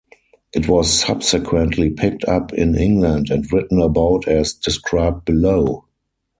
It was subsequently picked up in England and written about as described below.